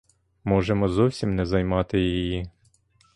Можемо зовсім не займати її.